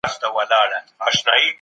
تعصب دی